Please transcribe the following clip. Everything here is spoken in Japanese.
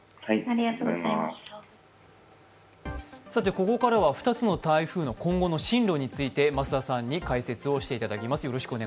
ここからは２つの台風の今後の進路について増田さんに解説していただきます。